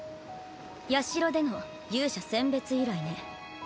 社での勇者選別以来ね。